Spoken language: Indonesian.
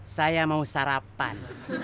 saya mau sarapan